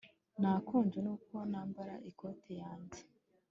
Nakonje nuko nambara ikoti yanjye